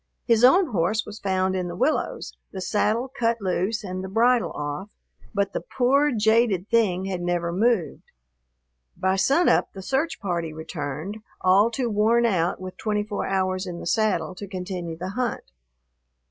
His own horse was found in the willows, the saddle cut loose and the bridle off, but the poor, jaded thing had never moved. By sunup the search party returned, all too worn out with twenty four hours in the saddle to continue the hunt.